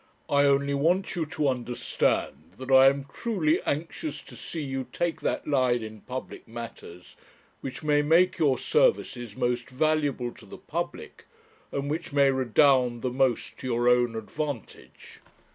I only want you to understand that I am truly anxious to see you take that line in public matters which may make your services most valuable to the public, and which may redound the most to your own advantage.